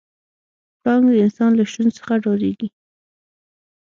پړانګ د انسان له شتون څخه ډارېږي.